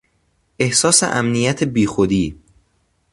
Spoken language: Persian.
احساس امنیت بیخودی